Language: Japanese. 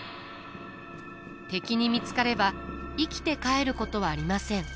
敵に見つかれば生きて帰ることはありません。